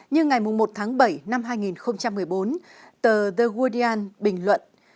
nhưng ngày một tháng bảy năm hai nghìn một mươi bốn tờ the guardian bình luận